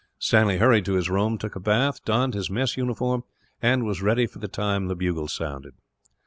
Stanley hurried to his room, took a bath, donned his mess uniform, and was ready by the time the bugle sounded.